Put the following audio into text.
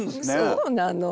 そうなの。